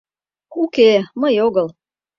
— Уке, мый огыл.